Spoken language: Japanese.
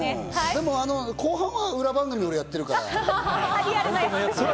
でも後半は裏番組をやってるから。